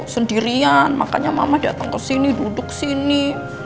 sendirian makanya mama datang kesini duduk sini